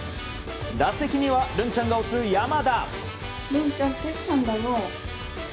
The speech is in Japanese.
打席にはるんちゃんが推す山田。